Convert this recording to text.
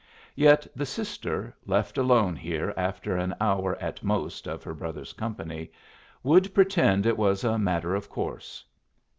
Yet the sister, left alone here after an hour at most of her brother's company, would pretend it was a matter of course.